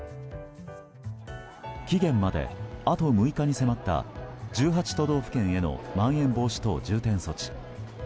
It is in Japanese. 期限まで、あと６日に迫った１８都道府県へのまん延防止等重点措置。